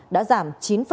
đã giảm chín ba